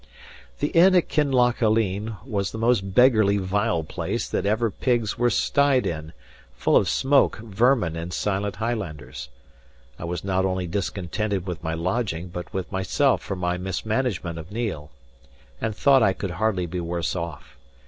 The inn at Kinlochaline was the most beggarly vile place that ever pigs were styed in, full of smoke, vermin, and silent Highlanders. I was not only discontented with my lodging, but with myself for my mismanagement of Neil, and thought I could hardly be worse off.